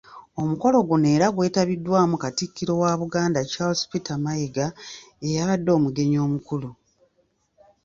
Omukolo guno era gwetabiddwamu Katikkiro wa Buganda Charles Peter Mayiga eyabadde omugenyi omukulu.